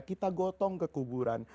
kita gotong ke kuburan